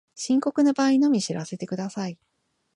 深刻な場合のみ知らせてください